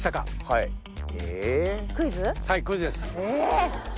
はいクイズです。